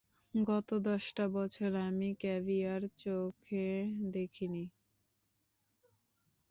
গত দশটা বছর আমি ক্যাভিয়ার চেখে দেখিনি!